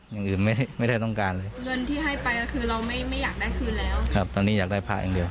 อย่างอื่นไม่ได้ต้องการเลยเงินที่ให้ไปก็คือเราไม่ไม่อยากได้คืนแล้วครับตอนนี้อยากได้พระอย่างเดียว